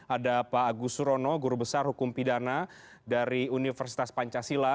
ada pak agus surono guru besar hukum pidana dari universitas pancasila